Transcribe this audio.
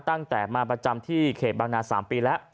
ตั้งแต่มาประจำที่เขตบางนา๓ปีแล้ว